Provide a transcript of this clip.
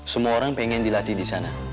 semua orang pengen dilatih disana